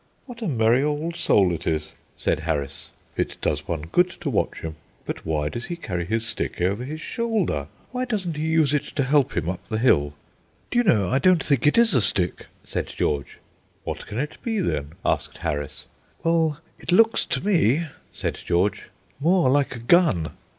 "What a merry old soul it is," said Harris; "it does one good to watch him. But why does he carry his stick over his shoulder? Why doesn't he use it to help him up the hill?" "Do you know, I don't think it is a stick," said George. "What can it be, then?" asked Harris. "Well, it looks to me," said George, "more like a gun."